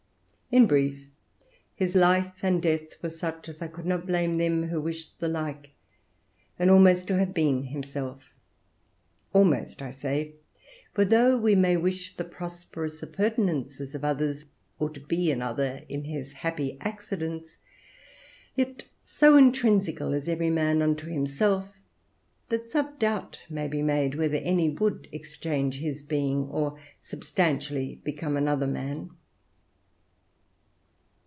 In brief, his life and death were such that I could not blame them who wished the like, and almost to have been himself: almost, I say; for though we may wish the prosperous appurtenances of others, or to be another in his happy accidents, yet so intrinsical is every man unto himself that some doubt may be made whether any would exchange his being, or substantially become another man.